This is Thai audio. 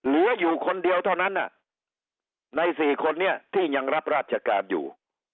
เหลืออยู่คนเดียวเท่านั้นใน๔คนนี้ที่ยังรับราชการอยู่